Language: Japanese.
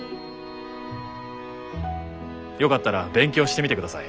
よかったら勉強してみてください。